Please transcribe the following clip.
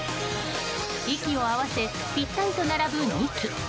息を合わせぴったりと並ぶ２機。